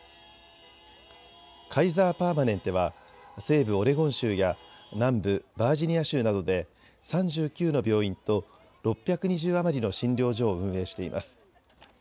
カイザー・パーマネンテは西部オレゴン州や南部バージニア州などで３９の病院と６２０余りの診療所を運営しています。